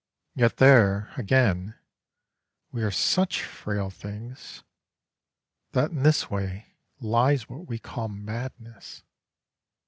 Yet there, again, we are such frail things, that in this way lies what we call madness.